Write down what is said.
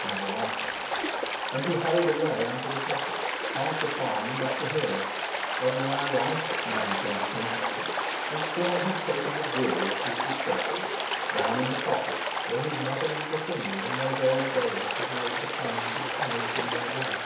No answer! And he hurried away out of the coppice, past the pond, up the hill. Oddly ironical—now he came to think of it—if Jon had taken the gruel of his discovery down in the coppice where his mother and Bosinney in those old days had made the plunge of acknowledging their love.